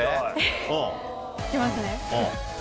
行きますね。